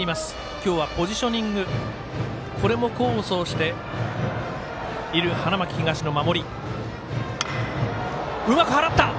今日はポジショニングこれも功を奏している花巻東の守り。